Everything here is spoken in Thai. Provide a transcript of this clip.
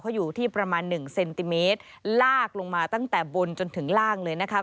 เขาอยู่ที่ประมาณหนึ่งเซนติเมตรลากลงมาตั้งแต่บนจนถึงล่างเลยนะคะ